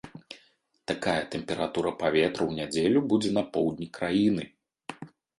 Такая тэмпература паветра ў нядзелю будзе на поўдні краіны.